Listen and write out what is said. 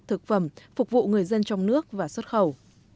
thực phẩm phục vụ người dân trong nước và xuất khẩu